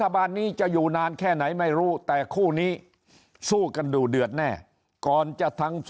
ฝ่ายค้านฝ่ายค้าน